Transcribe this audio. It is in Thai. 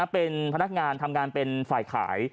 เป็นพนักงานทำงานเป็นฝ่ายขาย